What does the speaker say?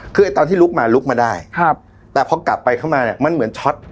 คือไอ้ตอนที่ลุกมาลุกมาได้ครับแต่พอกลับไปเข้ามาเนี่ยมันเหมือนช็อต